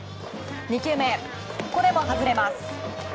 ２球目、これも外れます。